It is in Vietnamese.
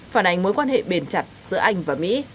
phản ánh mối quan hệ bền chặt giữa anh và mỹ